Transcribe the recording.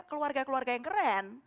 keluarga keluarga yang keren